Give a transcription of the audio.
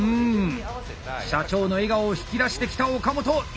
社長の笑顔を引き出してきた岡本勢いに乗ったか！